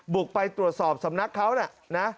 บุกไปตรวจสอบสำนักเขานะ